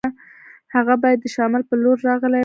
هغه باید د شمال په لور راغلی وای.